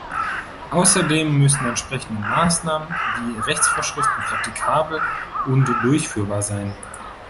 Außerdem müssen entsprechende Maßnahmen wie Rechtsvorschriften praktikabel und durchführbar sein.